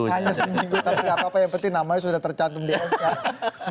hanya seminggu tapi nggak apa apa yang penting namanya sudah tercantum di sk